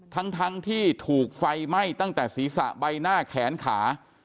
ทั้งที่ถูกไฟไหม้ตั้งแต่ศีรษะใบหน้าแขนขา